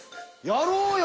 やろうよ！